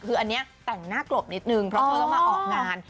คืออันนี้แต่งหน้ากลบนิดนึงเพราะเธอต้องมาออกงาน